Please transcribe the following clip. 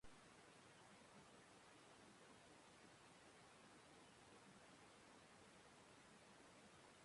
Batzuetan, propietate horiek erabiltzen dira elikagai freskoa deskonposatu baten bereizteko.